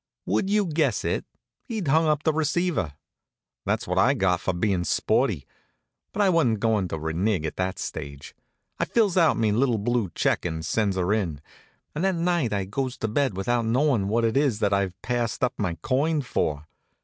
Would you guess it? He'd hung up the receiver. That's what I got for bein' sporty. But I wa'n't goin' to renig at that stage. I fills out me little blue check and sends her in, and that night I goes to bed without knowin' what it is that I've passed up my coin for.